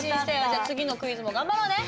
じゃあ次のクイズも頑張ろうね！